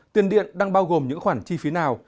tiền điện đang bao gồm những khoản chi phí nào